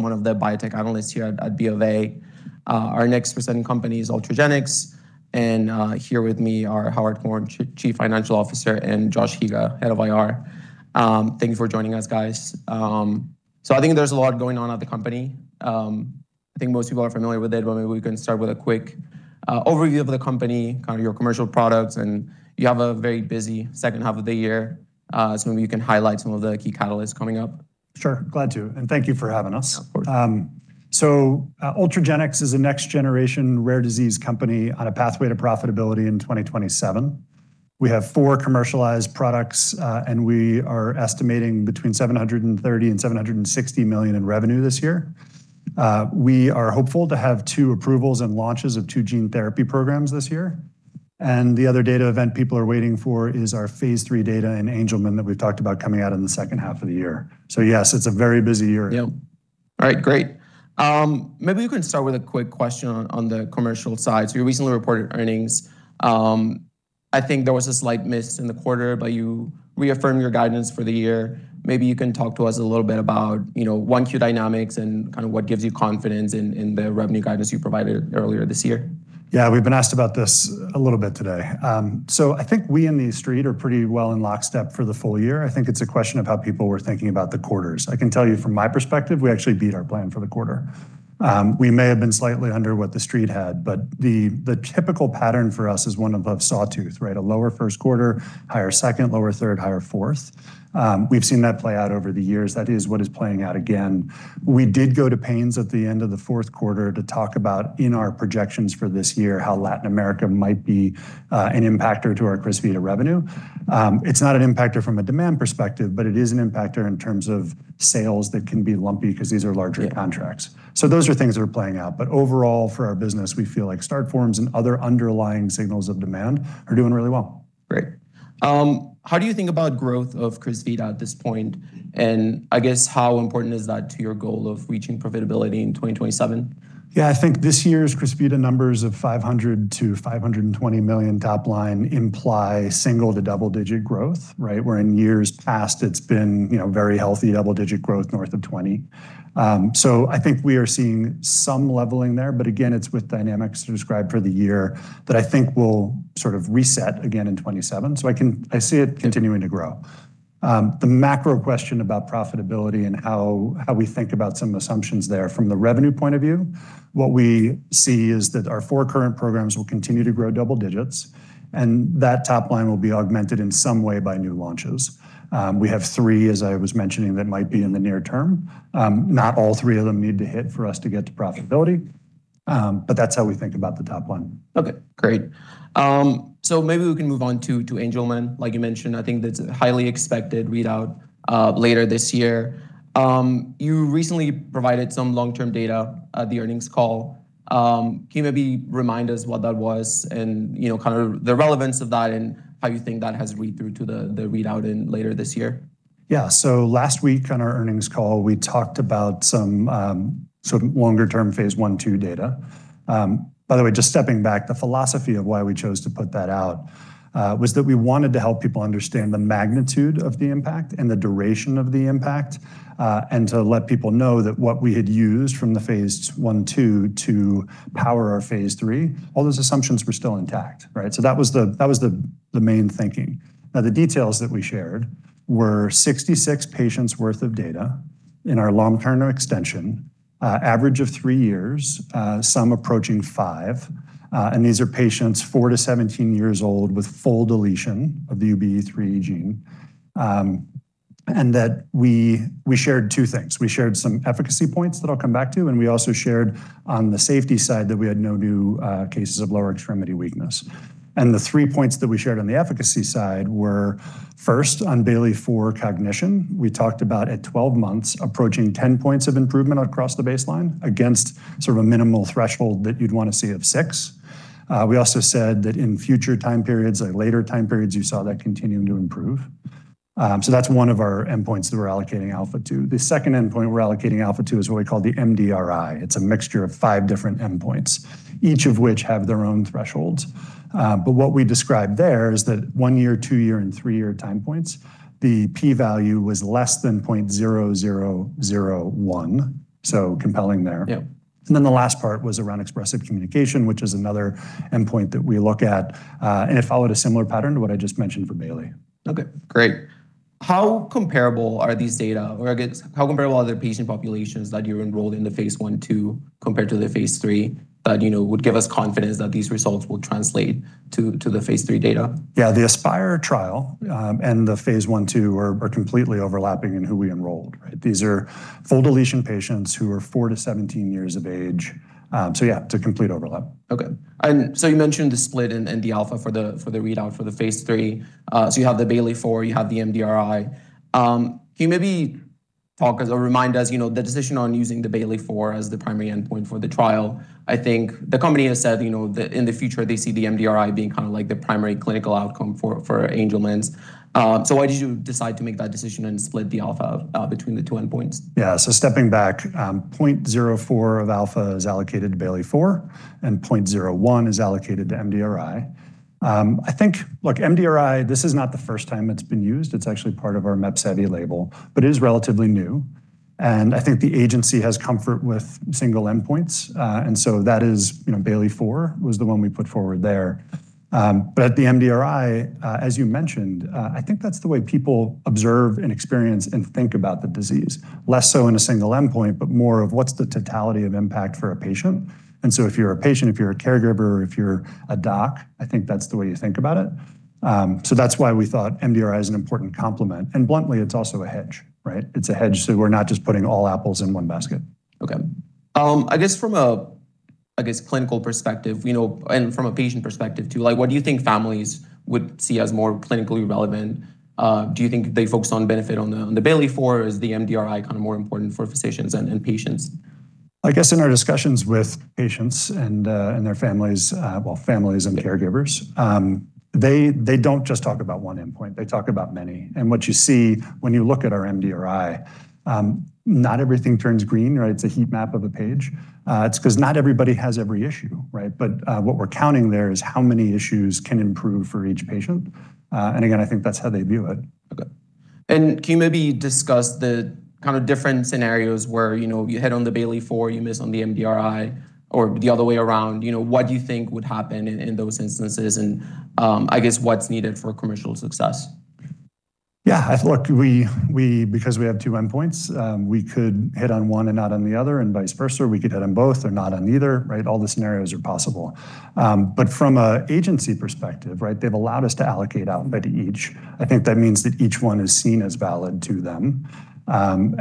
I'm one of the biotech analysts here at BofA. Our next presenting company is Ultragenyx, and here with me are Howard Horn, Chief Financial Officer, and Josh Higa, Head of IR. Thank you for joining us, guys. I think there's a lot going on at the company. I think most people are familiar with it, but maybe we can start with a quick overview of the company, kind of your commercial products, and you have a very busy second half of the year. Maybe you can highlight some of the key catalysts coming up. Sure. Glad to, and thank you for having us. Of course. Ultragenyx is a next generation rare disease company on a pathway to profitability in 2027. We have four commercialized products, and we are estimating between $730 million and $760 million in revenue this year. We are hopeful to have two approvals and launches of two gene therapy programs this year. The other data event people are waiting for is our phase III data in Angelman that we've talked about coming out in the second half of the year. Yes, it's a very busy year. Yeah. All right, great. Maybe you can start with a quick question on the commercial side. You recently reported earnings. I think there was a slight miss in the quarter, but you reaffirmed your guidance for the year. Maybe you can talk to us a little bit about, you know, 1Q dynamics and kind of what gives you confidence in the revenue guidance you provided earlier this year. Yeah, we've been asked about this a little bit today. I think we in the street are pretty well in lockstep for the full year. I think it's a question of how people were thinking about the quarters. I can tell you from my perspective, we actually beat our plan for the quarter. We may have been slightly under what the street had, but the typical pattern for us is one of sawtooth, right? A lower first quarter, higher second, lower third, higher fourth. We've seen that play out over the years. That is what is playing out again. We did go to pains at the end of the fourth quarter to talk about in our projections for this year how Latin America might be an impactor to our CRYSVITA revenue. It's not an impactor from a demand perspective, but it is an impactor in terms of sales that can be lumpy because these are larger contracts. Yeah. Those are things that are playing out. Overall, for our business, we feel like start forms and other underlying signals of demand are doing really well. Great. How do you think about growth of CRYSVITA at this point? I guess how important is that to your goal of reaching profitability in 2027? Yeah, I think this year's CRYSVITA numbers of $500 million-$520 million top line imply single- to double-digit growth, right? Where in years past, it's been, you know, very healthy double-digit growth north of 20. I think we are seeing some leveling there. Again, it's with dynamics described for the year that I think will sort of reset again in 2027. I see it continuing to grow. The macro question about profitability and how we think about some assumptions there from the revenue point of view, what we see is that our four current programs will continue to grow double digits, and that top line will be augmented in some way by new launches. We have three, as I was mentioning, that might be in the near term. Not all three of them need to hit for us to get to profitability. That's how we think about the top line. Okay, great. Maybe we can move on to Angelman. Like you mentioned, I think that's a highly expected readout later this year. You recently provided some long-term data at the earnings call. Can you maybe remind us what that was and, you know, kind of the relevance of that and how you think that has read through to the readout later this year? Last week on our earnings call, we talked about some sort of longer-term phase I, II data. By the way, just stepping back, the philosophy of why we chose to put that out was that we wanted to help people understand the magnitude of the impact and the duration of the impact and to let people know that what we had used from the phase I, II to power our phase III, all those assumptions were still intact. That was the main thinking. The details that we shared were 66 patients' worth of data in our long-term extension, average of three years, some approaching five. These are patients four to 17 years old with full deletion of the UBE3A gene. That we shared two things. We shared some efficacy points that I'll come back to, and we also shared on the safety side that we had no new cases of lower extremity weakness. The three points that we shared on the efficacy side were first on Bayley-4 cognition. We talked about at 12 months approaching 10 points of improvement across the baseline against sort of a minimal threshold that you'd want to see of six. We also said that in future time periods, like later time periods, you saw that continuing to improve. So that's one of our endpoints that we're allocating alpha to. The second endpoint we're allocating alpha to is what we call the MDRI. It's a mixture of five different endpoints, each of which have their own thresholds. What we described there is that one-year, two-year, and three-year time points, the p-value was less than 0.0001, so compelling there. Yeah. Then the last part was around expressive communication, which is another endpoint that we look at. It followed a similar pattern to what I just mentioned for Bayley. Okay, great. How comparable are these data or I guess how comparable are the patient populations that you enrolled in the phase I/II compared to the phase III that, you know, would give us confidence that these results will translate to the phase III data? Yeah. The Aspire trial, the phase I/II are completely overlapping in who we enrolled, right. These are full deletion patients who are four to 17 years of age. Yeah, it's a complete overlap. Okay. You mentioned the split in the alpha for the readout for the phase III. You have the Bayley-4, you have the MDRI. Can you maybe talk or remind us, you know, the decision on using the Bayley-4 as the primary endpoint for the trial? I think the company has said, you know, that in the future they see the MDRI being kind of like the primary clinical outcome for Angelman's. Why did you decide to make that decision and split the alpha between the two endpoints? Yeah. Stepping back, 0.04 of alpha is allocated to Bayley-4, and 0.01 is allocated to MDRI. MDRI, this is not the first time it's been used. It's actually part of our MEPSEVII label, but it is relatively new. I think the agency has comfort with single endpoints. That is, you know, Bayley-4 was the one we put forward there. At the MDRI, as you mentioned, I think that's the way people observe and experience and think about the disease. Less so in a single endpoint, but more of what's the totality of impact for a patient. If you're a patient, if you're a caregiver, if you're a doc, I think that's the way you think about it. That's why we thought MDRI is an important complement. Bluntly, it's also a hedge, right? It's a hedge, so we're not just putting all apples in one basket. Okay. I guess from a clinical perspective, you know, and from a patient perspective too, like what do you think families would see as more clinically relevant? Do you think they focus on benefit on the Bayley-4? Is the MDRI kind of more important for physicians and patients? I guess in our discussions with patients and their families, well, families and caregivers, they don't just talk about one endpoint, they talk about many. What you see when you look at our MDRI, not everything turns green, right? It's a heat map of a page. It's 'cause not everybody has every issue, right? What we're counting there is how many issues can improve for each patient. Again, I think that's how they view it. Okay. Can you maybe discuss the kind of different scenarios where, you know, you hit on the Bayley-4, you miss on the MDRI or the other way around, you know, what do you think would happen in those instances and, I guess what's needed for commercial success? Yeah, look, we because we have two endpoints, we could hit on one and not on the other, and vice versa. We could hit on both or not on either, right? All the scenarios are possible. From a agency perspective, right, they've allowed us to allocate out by each. I think that means that each one is seen as valid to them. Well,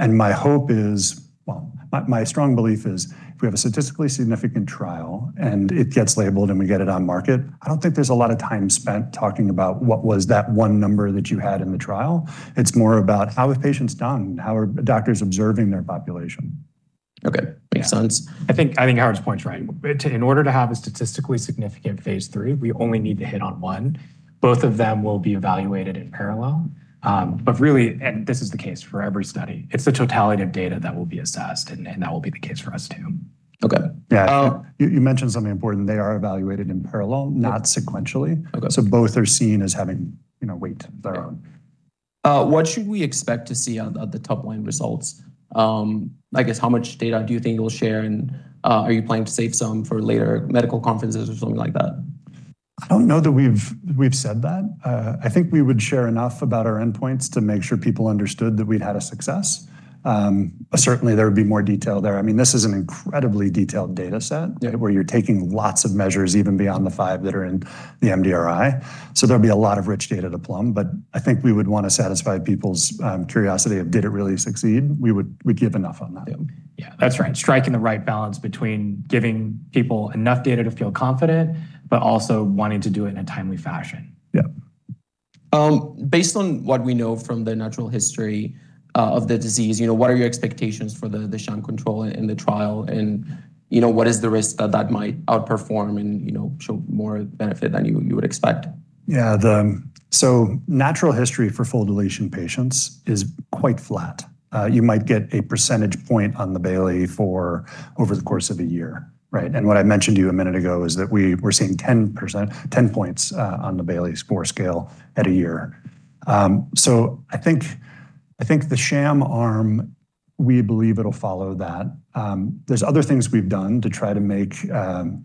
my strong belief is if we have a statistically significant trial and it gets labeled, and we get it on market, I don't think there's a lot of time spent talking about what was that one number that you had in the trial. It's more about how have patients done, how are doctors observing their population. Okay. Makes sense. I think Howard's point's right. In order to have a statistically significant phase III, we only need to hit on one. Both of them will be evaluated in parallel. Really, and this is the case for every study, it's the totality of data that will be assessed, and that will be the case for us too. Okay. Yeah. You mentioned something important. They are evaluated in parallel, not sequentially. Okay. Both are seen as having, you know, weight of their own. What should we expect to see on the top line results? I guess how much data do you think you'll share and are you planning to save some for later medical conferences or something like that? I don't know that we've said that. I think we would share enough about our endpoints to make sure people understood that we'd had a success. Certainly there would be more detail there. I mean, this is an incredibly detailed data set. Yeah. Where you're taking lots of measures even beyond the five that are in the MDRI. There'll be a lot of rich data to plumb, but I think we would wanna satisfy people's curiosity of did it really succeed. We'd give enough on that. Yeah. Yeah. That's right. Striking the right balance between giving people enough data to feel confident, but also wanting to do it in a timely fashion. Yeah. Based on what we know from the natural history of the disease, you know, what are your expectations for the sham control in the trial? You know, what is the risk that that might outperform and, you know, show more benefit than you would expect? Yeah. Natural history for full deletion patients is quite flat. You might get a percentage point on the Bayley-4 over the course of a year, right? What I mentioned to you a minute ago is that we were seeing 10%, 10 points on the Bayley score scale at a year. I think the sham arm, we believe it'll follow that. There's other things we've done to try to make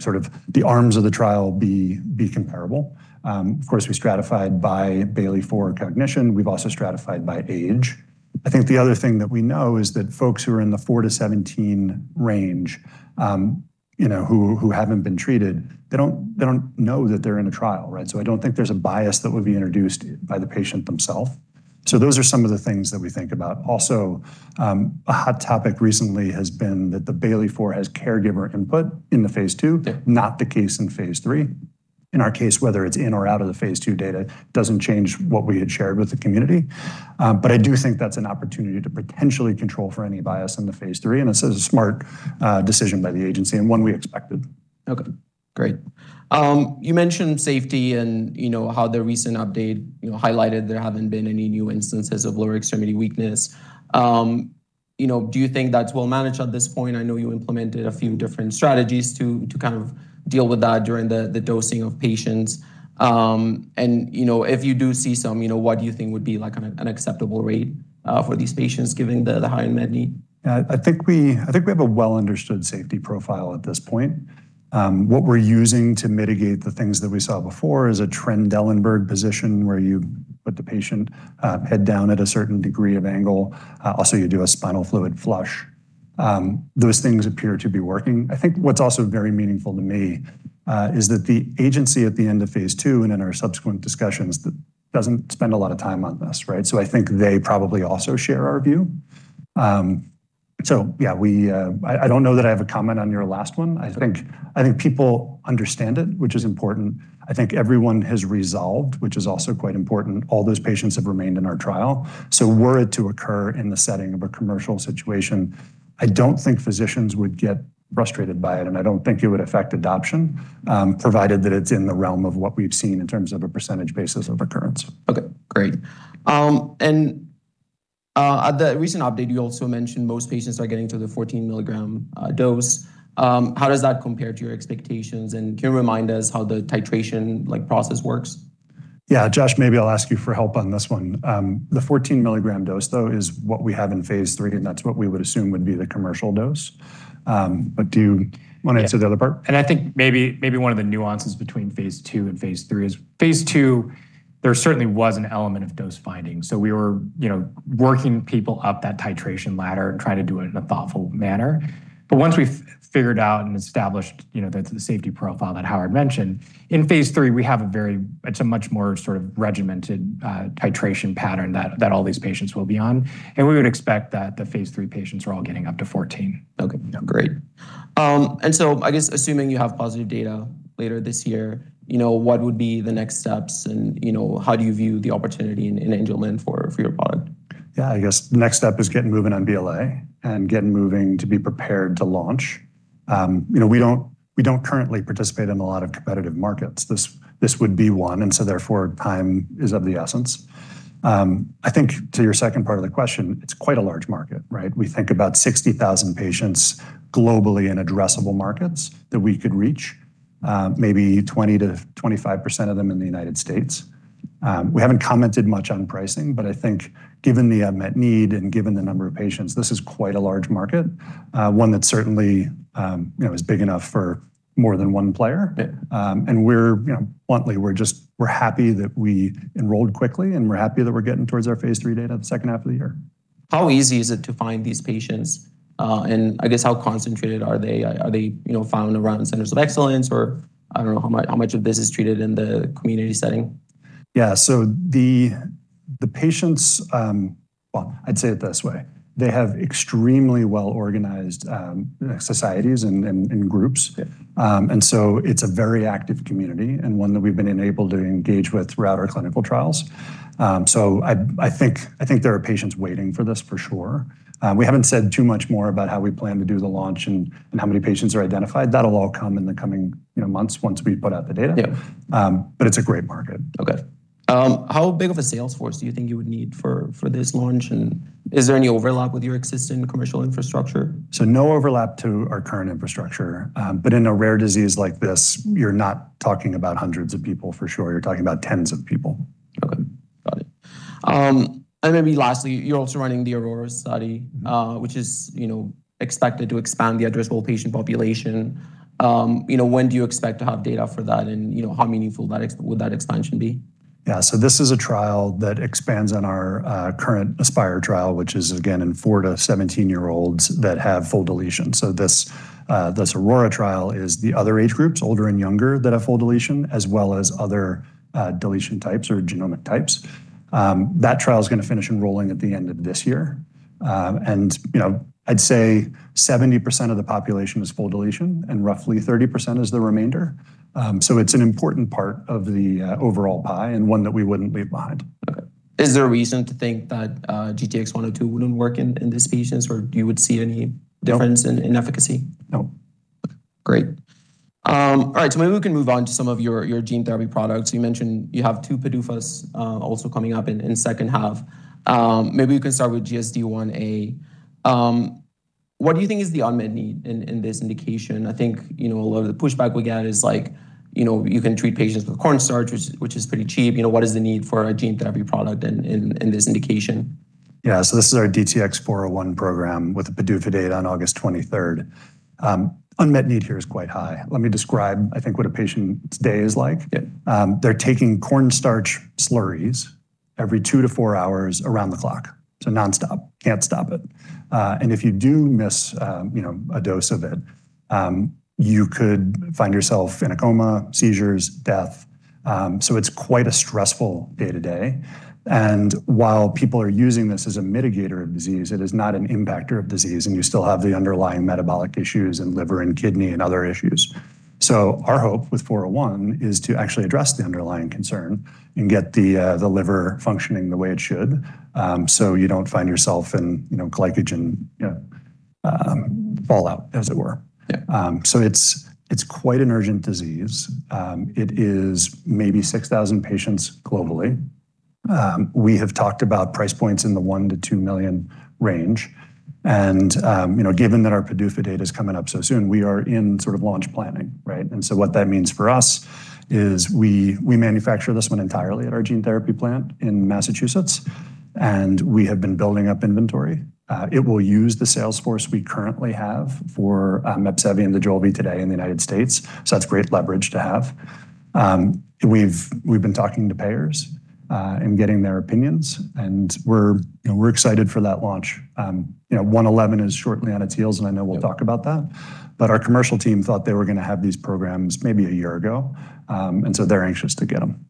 sort of the arms of the trial be comparable. Of course, we stratified by Bayley-4 cognition. We've also stratified by age. I think the other thing that we know is that folks who are in the four to 17 range, you know, who haven't been treated, they don't know that they're in a trial, right? I don't think there's a bias that would be introduced by the patient themself. Those are some of the things that we think about. Also, a hot topic recently has been that the Bayley-4 has caregiver input in the phase II. Yeah. Not the case in phase III. In our case, whether it's in or out of the phase II data doesn't change what we had shared with the community. I do think that's an opportunity to potentially control for any bias in the phase III, and it's a smart decision by the agency and one we expected. Okay, great. You mentioned safety and you know how the recent update, you know, highlighted there haven't been any new instances of lower extremity weakness. You know, do you think that's well managed at this point? I know you implemented a few different strategies to kind of deal with that during the dosing of patients. You know, if you do see some, you know, what do you think would be like an acceptable rate for these patients given the high unmet need? Yeah. I think we have a well-understood safety profile at this point. What we're using to mitigate the things that we saw before is a Trendelenburg position where you put the patient head down at a certain degree of angle. Also you do a spinal fluid flush. Those things appear to be working. I think what's also very meaningful to me is that the agency at the end of phase II and in our subsequent discussions doesn't spend a lot of time on this, right? I think they probably also share our view. Yeah, we, I don't know that I have a comment on your last one. I think people understand it, which is important. I think everyone has resolved, which is also quite important. All those patients have remained in our trial, so were it to occur in the setting of a commercial situation, I don't think physicians would get frustrated by it, and I don't think it would affect adoption, provided that it's in the realm of what we've seen in terms of a percentage basis of occurrence. Okay, great. At the recent update, you also mentioned most patients are getting to the 14 milligram dose. How does that compare to your expectations, can you remind us how the titration, like, process works? Yeah, Josh, maybe I'll ask you for help on this one. The 14 milligram dose though is what we have in phase III, that's what we would assume would be the commercial dose. Do you wanna answer the other part? Yeah. I think maybe one of the nuances between phase II and phase III is phase II, there certainly was an element of dose finding. We were, you know, working people up that titration ladder and trying to do it in a thoughtful manner. Once we figured out and established, you know, that the safety profile that Howard mentioned, in phase III, it's a much more sort of regimented titration pattern that all these patients will be on. We would expect that the phase III patients are all getting up to 14. Okay. Great. I guess assuming you have positive data later this year, you know, what would be the next steps and, you know, how do you view the opportunity in Angelman for your product? Yeah, I guess the next step is getting moving on BLA and getting moving to be prepared to launch. you know, we don't currently participate in a lot of competitive markets. This would be one, therefore time is of the essence. I think to your second part of the question, it's quite a large market, right? We think about 60,000 patients globally in addressable markets that we could reach, maybe 20%-25% of them in the United States. We haven't commented much on pricing, I think given the unmet need and given the number of patients, this is quite a large market. One that certainly, you know, is big enough for more than one player. Yeah. We're, you know, bluntly, we're just, we're happy that we enrolled quickly, and we're happy that we're getting towards our phase III data the second half of the year. How easy is it to find these patients, and I guess how concentrated are they? Are they, you know, found around centers of excellence, or I don't know how much of this is treated in the community setting? Yeah. The, the patients, Well, I'd say it this way. They have extremely well-organized, societies and groups. Yeah. It's a very active community and one that we've been enabled to engage with throughout our clinical trials. I think there are patients waiting for this for sure. We haven't said too much more about how we plan to do the launch and how many patients are identified. That'll all come in the coming, you know, months once we put out the data. Yeah. It's a great market. Okay. How big of a sales force do you think you would need for this launch? Is there any overlap with your existing commercial infrastructure? No overlap to our current infrastructure. In a rare disease like this, you're not talking about hundreds of people for sure. You're talking about tens of people. Okay. Got it. maybe lastly, you're also running the AURORA study. Which is, you know, expected to expand the addressable patient population. you know, when do you expect to have data for that? you know, how meaningful will that expansion be? Yeah. This is a trial that expands on our current Aspire trial, which is again in four to 17-year-olds that have full deletion. This AURORA trial is the other age groups, older and younger, that have full deletion, as well as other deletion types or genomic types. That trial is gonna finish enrolling at the end of this year. And, you know, I'd say 70% of the population is full deletion, and roughly 30% is the remainder. It's an important part of the overall pie and one that we wouldn't leave behind. Okay. Is there a reason to think that GTX-102 wouldn't work in these patients, or you would see any difference? No. In efficacy? No. Great. All right, maybe we can move on to some of your gene therapy products. You mentioned you have two PDUFAs, also coming up in second half. Maybe we can start with GSDIa. What do you think is the unmet need in this indication? I think, you know, a lot of the pushback we get is like, you know, you can treat patients with cornstarch, which is pretty cheap. You know, what is the need for a gene therapy product in this indication? Yeah. This is our DTX401 program with a PDUFA date on August 23rd. Unmet need here is quite high. Let me describe, I think, what a patient's day is like. Yeah. They're taking corn starch slurries every two to four hours around the clock, so nonstop. Can't stop it. If you do miss, you know, a dose of it, you could find yourself in a coma, seizures, death. While people are using this as a mitigator of disease, it is not an impactor of disease, and you still have the underlying metabolic issues in liver and kidney and other issues. Our hope with DTX401 is to actually address the underlying concern and get the liver functioning the way it should, so you don't find yourself in, you know, glycogen fallout as it were. Yeah. So it's quite an urgent disease. It is maybe 6,000 patients globally. We have talked about price points in the $1 million-$2 million range. Given that our PDUFA date is coming up so soon, we are in sort of launch planning, right? What that means for us is we manufacture this one entirely at our gene therapy plant in Massachusetts, and we have been building up inventory. It will use the sales force we currently have for MEPSEVII and DOJOLVI today in the United States, so that's great leverage to have. We've been talking to payers and getting their opinions, and we're, you know, we're excited for that launch. You know, UX111 is shortly on its heels, and I know we'll talk about that. Our commercial team thought they were gonna have these programs maybe a year ago, and so they're anxious to get 'em.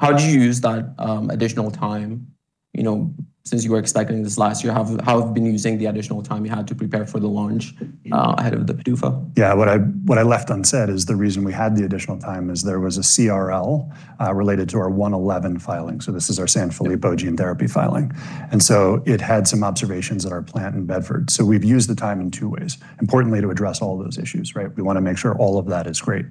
How do you use that additional time? You know, since you were expecting this last year, how have you been using the additional time you had to prepare for the launch ahead of the PDUFA? Yeah. What I left unsaid is the reason we had the additional time is there was a CRL related to our UX111 filing. This is our Sanfilippo gene therapy filing. It had some observations at our plant in Bedford. We've used the time in two ways, importantly, to address all those issues, right? We wanna make sure all of that is great.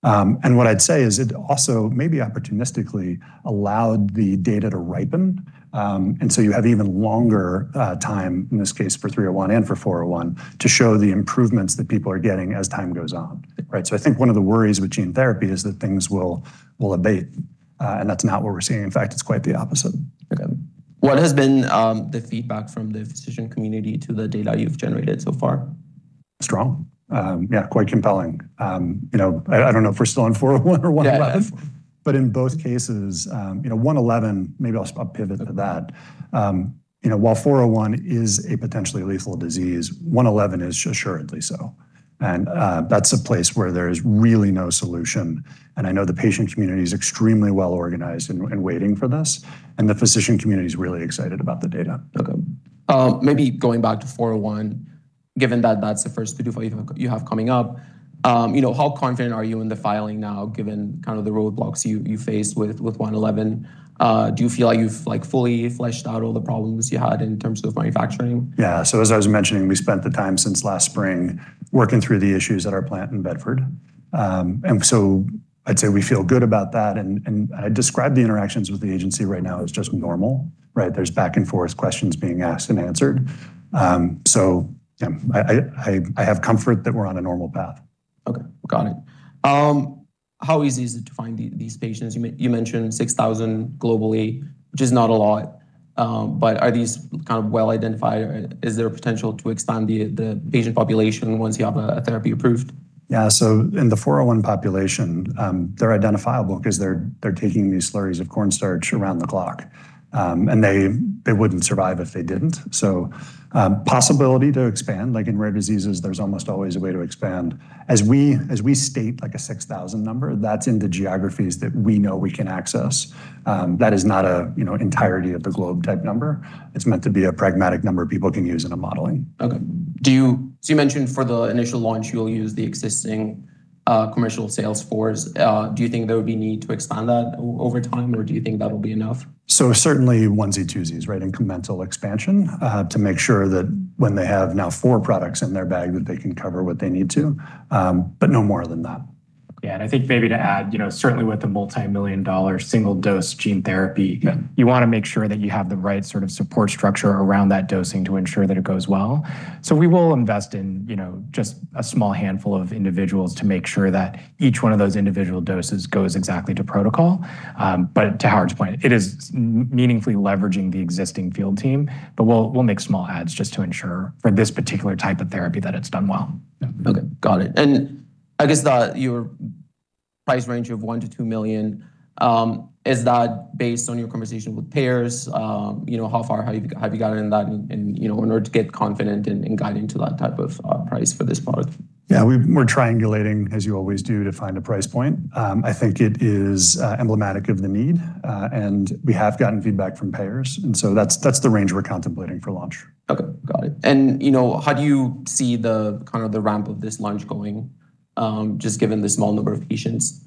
What I'd say is it also maybe opportunistically allowed the data to ripen. You have even longer time, in this case for DTX301 and for DTX401, to show the improvements that people are getting as time goes on. Yeah. Right. I think one of the worries with gene therapy is that things will abate. That's not what we're seeing. In fact, it's quite the opposite. Okay. What has been the feedback from the physician community to the data you've generated so far? Strong. Yeah, quite compelling. You know, I don't know if we're still on DTX401 or. [inaudible] Yeah. In both cases, you know, UX111, maybe I'll I'll pivot into that. You know, while DTX401 is a potentially lethal disease, UX111 is assuredly so. That's a place where there is really no solution, and I know the patient community is extremely well-organized and waiting for this, and the physician community is really excited about the data. Okay. Maybe going back to DTX401, given that that's the first PDUFA you have coming up, you know, how confident are you in the filing now given kind of the roadblocks you faced with UX111? Do you feel like you've fully fleshed out all the problems you had in terms of manufacturing? Yeah. As I was mentioning, we spent the time since last spring working through the issues at our plant in Bedford. I'd say we feel good about that and I describe the interactions with the agency right now as just normal, right? There's back and forth questions being asked and answered. Yeah, I have comfort that we're on a normal path. Okay. Got it. How easy is it to find these patients? You mentioned 6,000 globally, which is not a lot. Are these kind of well identified or is there a potential to expand the patient population once you have a therapy approved? In the DTX401 population, they're identifiable 'cause they're taking these slurries of cornstarch around the clock. They wouldn't survive if they didn't. Possibility to expand, like in rare diseases, there's almost always a way to expand. As we state like a 6,000 number, that's in the geographies that we know we can access. That is not a, you know, entirety of the globe type number. It's meant to be a pragmatic number people can use in a modeling. Okay. You mentioned for the initial launch you'll use the existing commercial sales force. Do you think there would be need to expand that over time or do you think that'll be enough? Certainly onesie, twosies, right? Incremental expansion, to make sure that when they have now four products in their bag that they can cover what they need to, but no more than that. Yeah, I think maybe to add, you know, certainly with the multimillion-dollar single-dose gene therapy. Yeah. You wanna make sure that you have the right sort of support structure around that dosing to ensure that it goes well. We will invest in, you know, just a small handful of individuals to make sure that each one of those individual doses goes exactly to protocol. To Howard's point, it is meaningfully leveraging the existing field team, but we'll make small adds just to ensure for this particular type of therapy that it's done well. Yeah. Okay. Got it. I guess your price range of $1 million-$2 million, is that based on your conversation with payers? You know, how far have you gotten in that and, you know, in order to get confident in guiding to that type of price for this product? Yeah. We're triangulating, as you always do, to find a price point. I think it is emblematic of the need, and we have gotten feedback from payers. That's, that's the range we're contemplating for launch. Okay. Got it. You know, how do you see the kind of the ramp of this launch going, just given the small number of patients?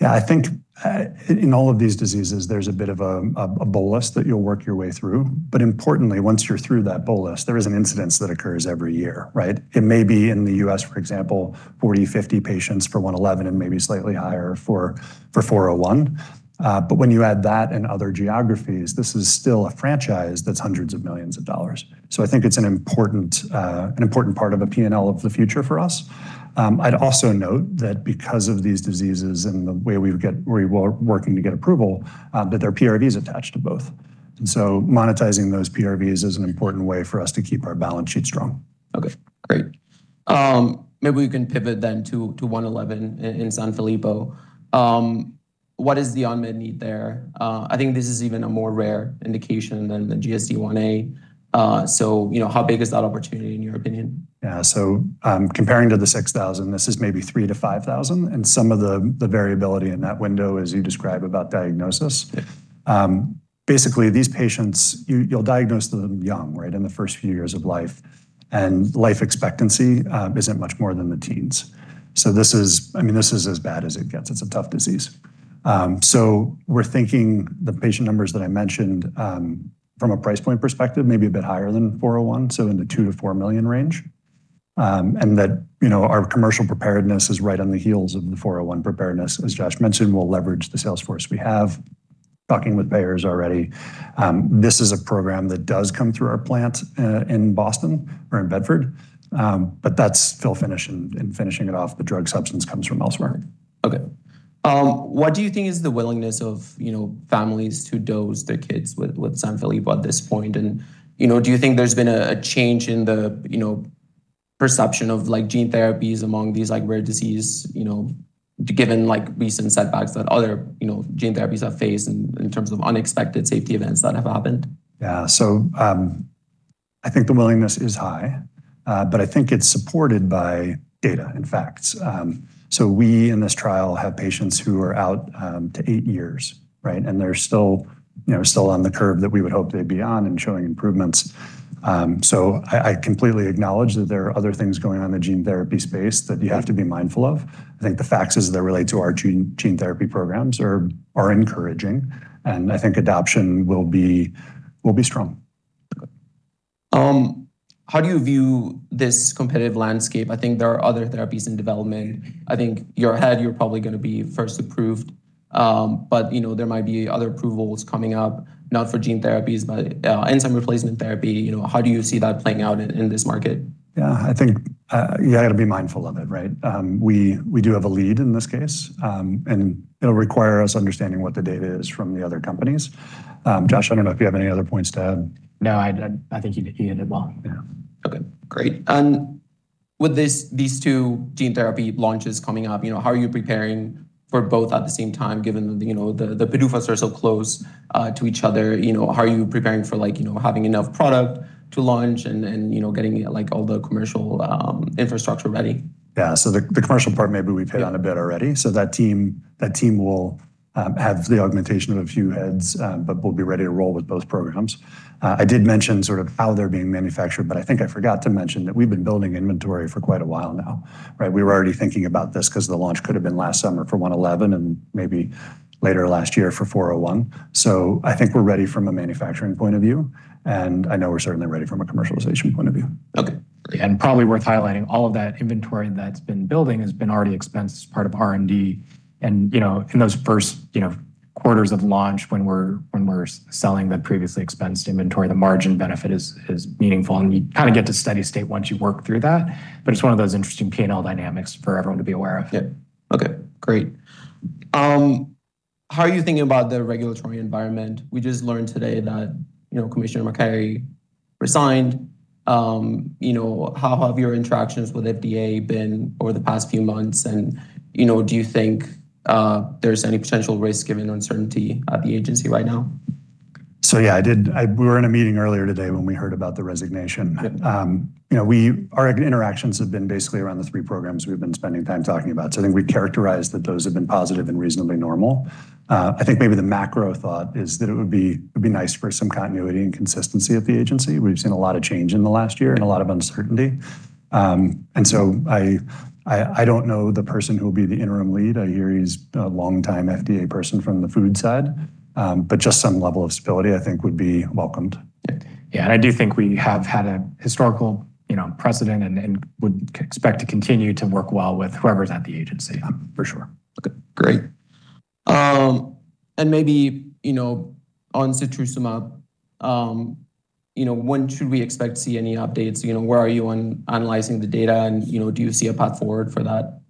Yeah. I think in all of these diseases there's a bit of a bolus that you'll work your way through. Importantly, once you're through that bolus, there is an incidence that occurs every year, right? It may be in the U.S., for example, 40, 50 patients for UX111 and maybe slightly higher for DTX401. When you add that and other geographies, this is still a franchise that's hundreds of millions of dollars. I think it's an important, an important part of a P&L of the future for us. I'd also note that because of these diseases and the way we're working to get approval, that there are PRVs attached to both. Monetizing those PRVs is an important way for us to keep our balance sheet strong. Okay. Great. Maybe we can pivot to UX111 in Sanfilippo. What is the unmet need there? I think this is even a more rare indication than the GSDIa. You know, how big is that opportunity in your opinion? Yeah. Comparing to the 6,000, this is maybe 3,000-5,000, and some of the variability in that window as you describe about diagnosis. Yeah. Basically these patients, you'll diagnose them young, right? In the first few years of life. Life expectancy isn't much more than the teens. This is, I mean, this is as bad as it gets. It's a tough disease. We're thinking the patient numbers that I mentioned from a price point perspective may be a bit higher than DTX401, so in the $2 million-$4 million range. You know, our commercial preparedness is right on the heels of the DTX401 preparedness. As Josh mentioned, we'll leverage the sales force we have, talking with payers already. This is a program that does come through our plant in Boston or in Bedford, but that's still finishing. In finishing it off, the drug substance comes from elsewhere. What do you think is the willingness of, you know, families to dose their kids with Sanfilippo at this point? Do you think there's been a change in the, you know, perception of like gene therapies among these like rare disease, you know, given like recent setbacks that other, you know, gene therapies have faced in terms of unexpected safety events that have happened? Yeah. I think the willingness is high, but I think it's supported by data and facts. We in this trial have patients who are out to eight years, right? They're still, you know, still on the curve that we would hope they'd be on and showing improvements. I completely acknowledge that there are other things going on in the gene therapy space that you have to be mindful of. I think the facts as they relate to our gene therapy programs are encouraging, and I think adoption will be strong. Okay. How do you view this competitive landscape? I think there are other therapies in development. I think you're ahead, you're probably gonna be first approved. You know, there might be other approvals coming up, not for gene therapies, but, enzyme replacement therapy. You know, how do you see that playing out in this market? I think, you gotta be mindful of it, right? We do have a lead in this case, and it'll require us understanding what the data is from the other companies. Josh, I don't know if you have any other points to add. No, I think you ended well. Yeah. Okay, great. With this, these two gene therapy launches coming up, you know, how are you preparing for both at the same time, given that, you know, the PDUFAs are so close to each other. You know, how are you preparing for like, you know, having enough product to launch and, you know, getting like all the commercial infrastructure ready? Yeah. Yeah. On a bit already. That team will have the augmentation of a few heads, but we'll be ready to roll with both programs. I did mention sort of how they're being manufactured, but I think I forgot to mention that we've been building inventory for quite a while now, right? We were already thinking about this 'cause the launch could have been last summer for UX111 and maybe later last year for DTX401. I think we're ready from a manufacturing point of view, and I know we're certainly ready from a commercialization point of view. Okay, great. Probably worth highlighting all of that inventory that's been building has been already expensed as part of R&D. You know, in those first, you know, quarters of launch when we're selling the previously expensed inventory, the margin benefit is meaningful, and you kind of get to steady state once you work through that. It's one of those interesting P&L dynamics for everyone to be aware of. Yeah. Okay, great. How are you thinking about the regulatory environment? We just learned today that, you know, Commissioner Makary resigned. You know, how have your interactions with FDA been over the past few months? You know, do you think there's any potential risk given uncertainty at the agency right now? Yeah, we were in a meeting earlier today when we heard about the resignation. Yeah. You know, our interactions have been basically around the three programs we've been spending time talking about. I think we characterize that those have been positive and reasonably normal. I think maybe the macro thought is that it would be, it'd be nice for some continuity and consistency at the agency. We've seen a lot of change in the last year and a lot of uncertainty. I don't know the person who will be the interim lead. I hear he's a longtime FDA person from the food side. Just some level of stability I think would be welcomed. Yeah. I do think we have had a historical, you know, precedent and would expect to continue to work well with whoever's at the agency for sure. Okay, great. Maybe, you know, on setrusumab, you know, when should we expect to see any updates? You know, where are you on analyzing the data and, you know, do you see a path forward for that?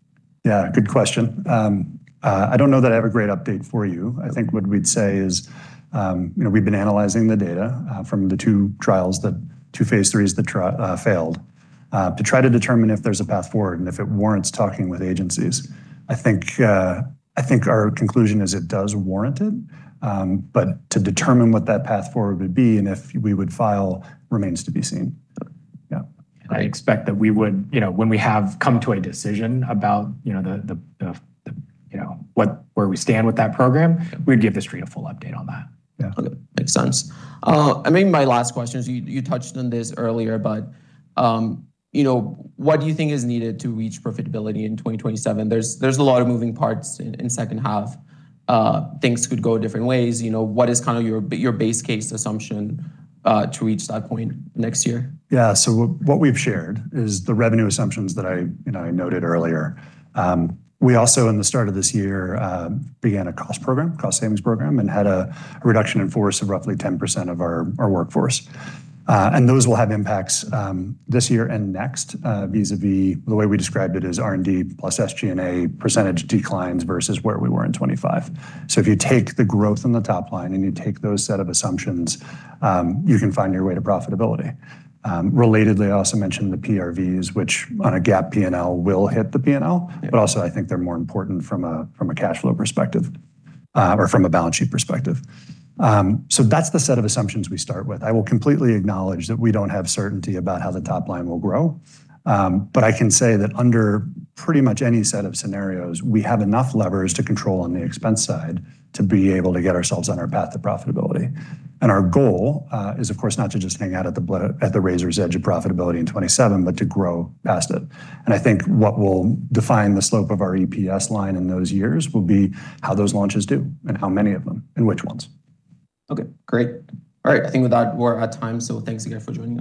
Good question. I don't know that I have a great update for you. I think what we'd say is, you know, we've been analyzing the data from the two trials that two phase III that failed to try to determine if there's a path forward and if it warrants talking with agencies. I think our conclusion is it does warrant it, but to determine what that path forward would be and if we would file remains to be seen. Okay. Yeah. I expect that we would, you know, when we have come to a decision about, you know, the, you know, where we stand with that program. Yeah We'd give the street a full update on that. Yeah. Okay. Makes sense. Maybe my last question is you touched on this earlier, but, you know, what do you think is needed to reach profitability in 2027? There's a lot of moving parts in second half. Things could go different ways. You know, what is kind of your base case assumption to reach that point next year? What we've shared is the revenue assumptions that I, you know, I noted earlier. We also, in the start of this year, began a cost program, cost savings program, and had a reduction in force of roughly 10% of our workforce. Those will have impacts this year and next, vis-à-vis the way we described it as R&D plus SG&A percentage declines versus where we were in 2025. If you take the growth on the top line and you take those set of assumptions, you can find your way to profitability. Relatedly, I also mentioned the PRVs, which on a GAAP P&L will hit the P&L. Yeah. Also, I think they're more important from a cash flow perspective, or from a balance sheet perspective. That's the set of assumptions we start with. I will completely acknowledge that we don't have certainty about how the top line will grow. I can say that under pretty much any set of scenarios, we have enough levers to control on the expense side to be able to get ourselves on our path to profitability. Our goal is of course not to just hang out at the razor's edge of profitability in 27, but to grow past it. I think what will define the slope of our EPS line in those years will be how those launches do, and how many of them, and which ones. Okay, great. All right. I think with that we're at time, so thanks again for joining me.